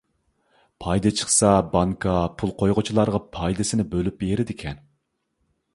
پايدا چىقسا بانكا پۇل قويغۇچىلارغا پايدىسىنى بۆلۈپ بېرىدىكەن.